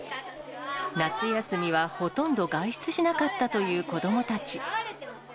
夏休みはほとんど外出しなかったという子どもたち。